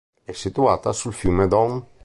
È situata sul fiume Don.